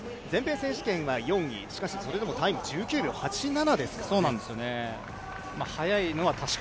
全米選手権は４位、しかしそれでもタイムは１９秒８７ですからね。